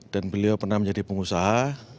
dan beliau pernah menjadi pengusaha